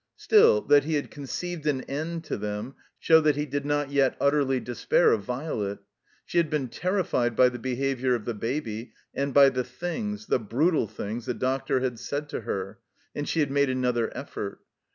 Still, that he had conceived an end to them, showed that he did not yet utterly despair of Violet. She had been ter rified by the behavior of the Baby and by the things, the brutal things, the doctor had said to her, and she had made another effort.